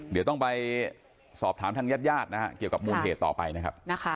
เดี๋ยวต้องไปสอบถามท่านญาติเกี่ยวกับมุมเหตุต่อไปนะครับ